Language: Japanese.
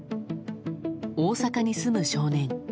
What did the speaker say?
大阪に住む少年。